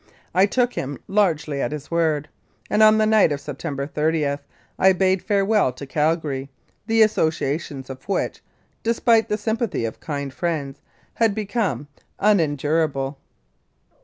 I took him largely at his word, and on the night of September 30 I bade farewell to Calgary, the associations of which, despite the sympathy of kind friends, had become unendurable.